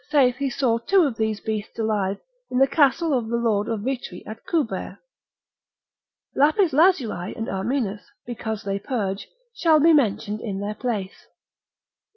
saith he saw two of these beasts alive, in the castle of the Lord of Vitry at Coubert. Lapis lazuli and armenus, because they purge, shall be mentioned in their place.